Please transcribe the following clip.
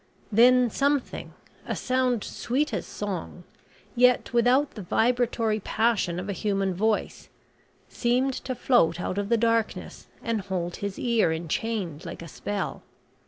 Then something a sound sweet as song yet without the vibratory passion of a human voice seemed to float out of the darkness and hold his ear enchained like a spell.